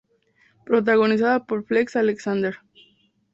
Protagonizada por Flex Alexander.